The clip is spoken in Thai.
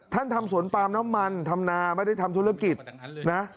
ทำสวนปาล์มน้ำมันทำนาไม่ได้ทำธุรกิจนะ